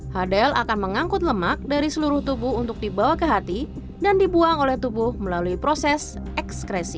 hdl akan mengangkut lemak dari seluruh tubuh untuk dibawa ke hati dan dibuang oleh tubuh melalui proses ekskresi